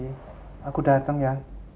ya nanti aku datang ya